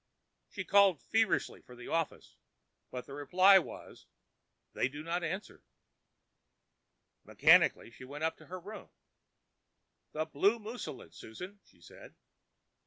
She called feverishly for the office, but the reply was, "They do not answer." Mechanically she went up to her room. "The blue mousseline, Susan," she said.